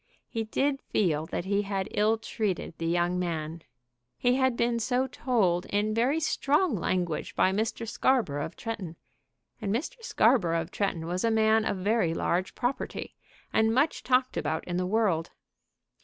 He did feel that he had ill treated the young man. He had been so told in very strong language by Mr. Scarborough of Tretton, and Mr. Scarborough of Tretton was a man of very large property, and much talked about in the world.